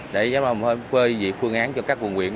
để giám đốc phê việc phương án cho các quận quyền